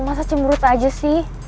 masa cemburu aja sih